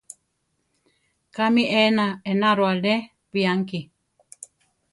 ¿Kámi ena enaro alé bianki?